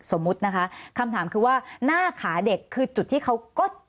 สมมุตินะคะคำถามคือว่าหน้าขาเด็กคือจุดที่เขาก็